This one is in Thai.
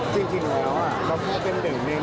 จริงเขาก็เป็นหนึ่งหนึ่ง